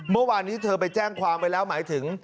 เมื่อวานนี้เธอไปแจ้งความไว้แล้วหมายถึง